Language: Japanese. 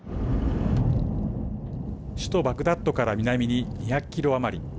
首都バグダッドから南に２００キロ余り。